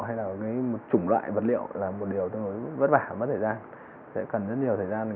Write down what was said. hay là một chủng loại vật liệu là một điều tương đối vất vả mất thời gian sẽ cần rất nhiều thời gian